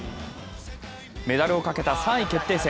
メダルをかけた３位決定戦。